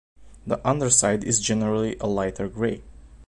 The underside is generally a lighter gray.